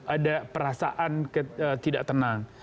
ada perasaan ketidak tenang